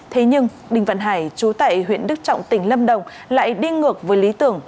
thế nhưng đình văn hải trú tại huyện đức trọng tỉnh lâm đồng lại đi ngược với lý tưởng